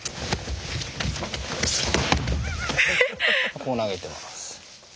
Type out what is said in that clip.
こう投げています。